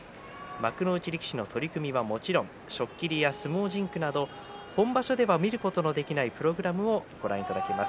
幕内力士の取組はもちろん初っ切りや相撲甚句など本場所では見ることのできないプログラムをご覧いただけます。